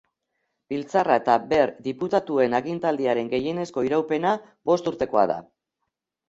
Biltzarra eta ber diputatuen agintaldiaren gehienezko iraupena bost urtekoa da.